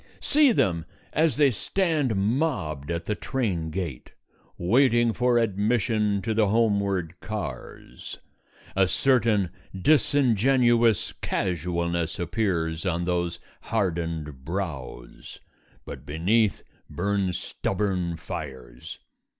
See them as they stand mobbed at the train gate, waiting for admission to the homeward cars. A certain disingenuous casualness appears on those hardened brows; but beneath burn stubborn fires.